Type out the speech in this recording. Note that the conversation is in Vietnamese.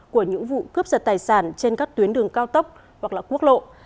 của những vụ cướp giật tài sản trên các tuyến đường cao tốc hoặc là quốc lộ